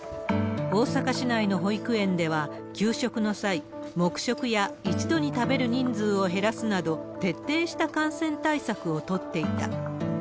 大阪市内の保育園では、給食の際、黙食や、一度に食べる人数を減らすなど、徹底した感染対策を取っていた。